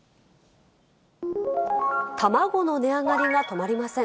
卵の値上がりが止まりません。